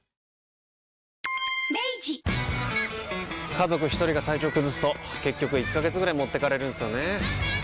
家族一人が体調崩すと結局１ヶ月ぐらい持ってかれるんすよねー。